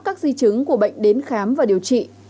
các bác sĩ đánh giá các di chứng của bệnh đến khám và điều trị